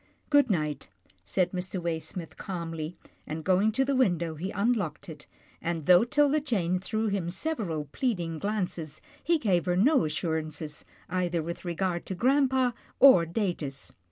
" Good night," said Mr. Waysmith, calmly, and, going to the window, he unlocked it, and, though 'Tilda Jane threw him several pleading glances, he gave her no assurances, either with regard to grampa or Datus.